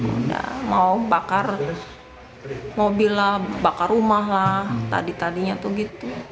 udah mau bakar mobil lah bakar rumah lah tadi tadinya tuh gitu